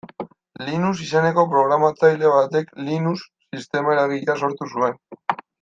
Linus izeneko programatzaile batek Linux sistema eragilea sortu zuen.